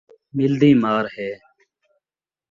ملدے دی مار ہے